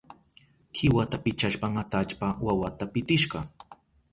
Kiwata pichashpan atallpa wawata pitishka.